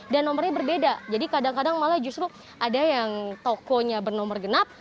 dan nomornya berbeda jadi kadang kadang malah justru ada yang tokonya bernomor genap